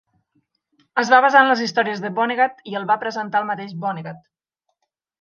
Es va basar en les històries de Vonnegut i el va presentar el mateix Vonnegut.